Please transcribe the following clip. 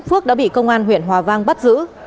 phước đã bị công an huyện hòa vang bắt giữ